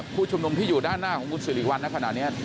ผู้ชุมนุมที่อยู่ด้านหน้าของคุณสิริวัณในขณะนี้